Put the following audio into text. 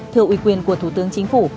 thưa ủy quyền của thủ tướng chính phủ